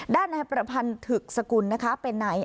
ด้านแห่งประพันธุ์ถึกสกุลนะคะเป็นไหน